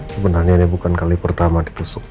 sebenernya bukan kali pertama ditusuk